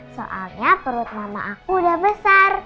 soalnya perut mama aku udah besar